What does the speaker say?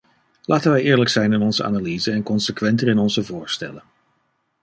Laten wij eerlijk zijn in onze analyse en consequenter in onze voorstellen.